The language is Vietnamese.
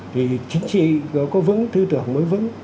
thì chính trị có vững tư tưởng mới vững